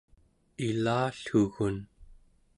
ilallugun